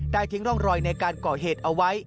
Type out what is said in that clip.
ทิ้งร่องรอยในการก่อเหตุเอาไว้